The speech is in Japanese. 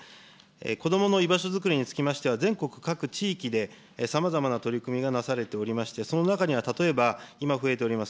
こどもの居場所づくりにつきましては、全国各地域で、さまざまな取り組みがなされておりまして、その中には例えば、今増えております